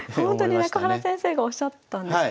ほんとに中原先生がおっしゃったんですか？